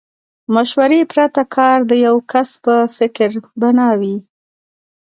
مشورې پرته کار د يوه کس په فکر بنا وي.